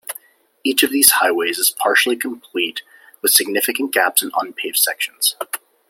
Each of these highways is partially complete, with significant gaps and unpaved sections.